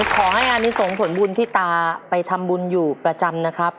ขอให้อันนี้ส่งผลบุญที่ตาไปทำบุญอยู่ประจำนะครับ